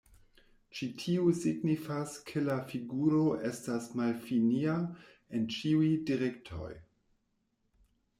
Ĉi tio signifas ke la figuro estas malfinia en ĉiuj direktoj.